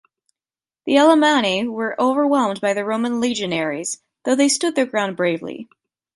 The Alemanni were overwhelmed by the Roman legionaries, though they stood their ground bravely.